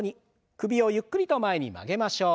首をゆっくりと前に曲げましょう。